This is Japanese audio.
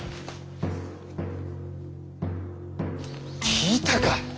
聞いたか？